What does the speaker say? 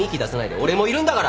俺もいるんだから。